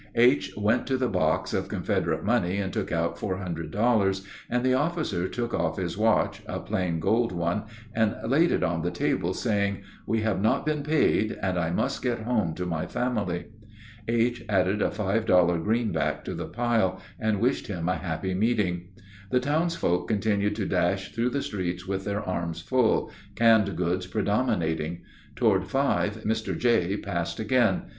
H. went to the box of Confederate money and took out four hundred dollars, and the officer took off his watch, a plain gold one, and laid it on the table, saying, "We have not been paid, and I must get home to my family." H. added a five dollar greenback to the pile, and wished him a happy meeting. The townsfolk continued to dash through the streets with their arms full, canned goods predominating. Toward five, Mr. J. passed again.